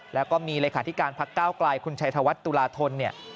แล้วก็มีเลยคาดิการภักดิ์ก้าวไกลคุณชัยธวัฒน์ตุลาธนธรรม